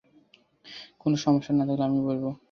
কোনো সমস্যা না থাকলে আমি বসবো।